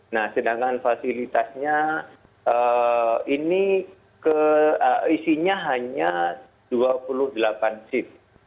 nah sedangkan fasilitasnya ini isinya hanya dua puluh delapan shift